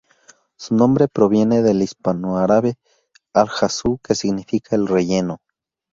Su nombre proviene del hispanoárabe "al-hasú" que significa 'el relleno'.